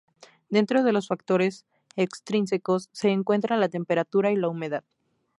Dentro de los factores extrínsecos se encuentra la temperatura y la humedad.